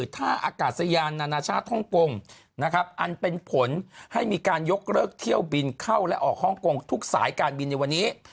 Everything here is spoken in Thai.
ท่าอากาศยานนานาชาติฮ่องกงนะครับอันเป็นผลให้มีการยกเลิกเที่ยวบินเข้าและออกฮ่องกงทุกสายการบินในวันนี้